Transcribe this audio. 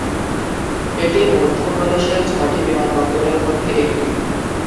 এটি মধ্যপ্রদেশের ছয়টি বিমানবন্দরের মধ্যে একটি।